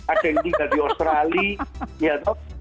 ada yang tinggal di australia ya